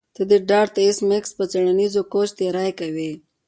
ته د ډارت ایس میکس په څیړنیز کوچ تیری کوې